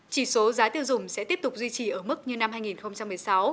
chỉ số giá tiêu dùng sẽ tiếp tục duy trì ở mức như năm hai nghìn một mươi sáu